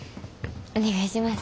お願いします。